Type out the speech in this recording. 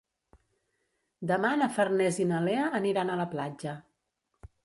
Demà na Farners i na Lea aniran a la platja.